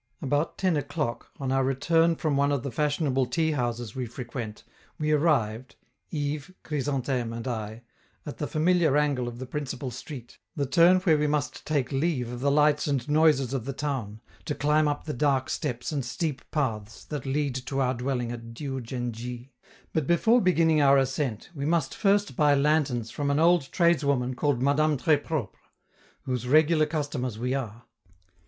About ten o'clock, on our return from one of the fashionable tea houses we frequent, we arrived Yves, Chrysantheme and I at the familiar angle of the principal street, the turn where we must take leave of the lights and noises of the town, to climb up the dark steps and steep paths that lead to our dwelling at Diou djen dji. But before beginning our ascent, we must first buy lanterns from an old tradeswoman called Madame Tres Propre, whose regular customers we are.